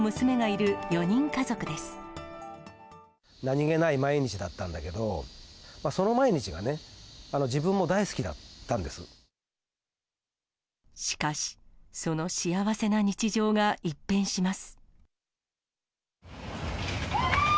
何気ない毎日だったんだけど、その毎日がね、しかし、その幸せな日常が一変します。